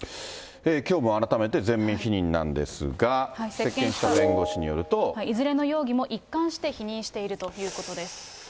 きょうも改めて全面否認なんですが、接見した弁護士によると。いずれの容疑も一貫して否認しているということです。